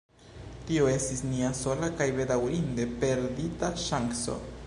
Tio estis nia sola kaj bedaŭrinde perdita ŝanco.